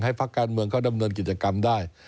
พักการเมืองเขาดำเนินกิจกรรมได้